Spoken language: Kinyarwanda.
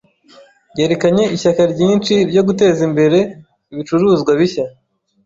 Yerekanye ishyaka ryinshi ryo guteza imbere ibicuruzwa bishya.